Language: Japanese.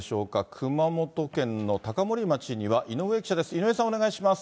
熊本県の高森町には、井上記者です。